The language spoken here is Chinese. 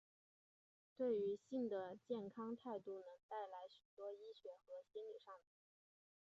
对于性的健康态度能带来许多医学和心里上的益处。